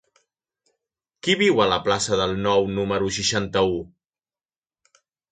Qui viu a la plaça del Nou número seixanta-u?